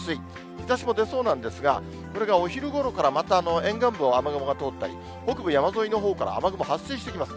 日ざしも出そうなんですが、これがお昼ごろから、また沿岸部を雨雲が通ったり、北部山沿いのほうから雨雲発生してきます。